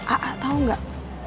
a'ah tahu nggak